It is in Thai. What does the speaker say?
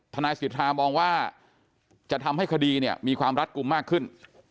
นายสิทธามองว่าจะทำให้คดีเนี่ยมีความรัดกลุ่มมากขึ้น